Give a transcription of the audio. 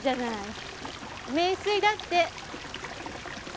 名水だって。